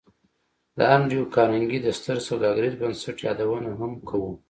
د انډریو کارنګي د ستر سوداګریز بنسټ یادونه هم کوو